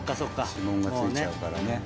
指紋が付いちゃうからね。